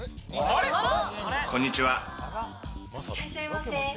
いらっしゃいませ。